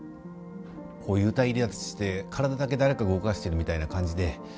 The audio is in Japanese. こう幽体離脱して体だけ誰かが動かしてるみたいな感じで。